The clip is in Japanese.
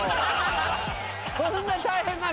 そんな大変なの？